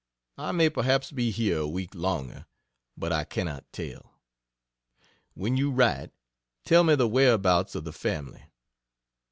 I may perhaps be here a week longer; but I cannot tell. When you write tell me the whereabouts of the family.